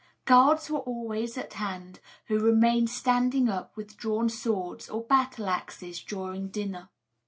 Guards were always at hand, who remained standing up with drawn swords or battleaxes during dinner.